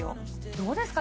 どうですか？